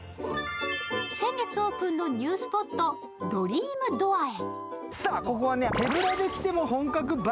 先月オープンのニュースポットドリームドアへ。